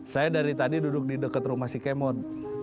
saya dari tadi duduk di dekat rumah si kemon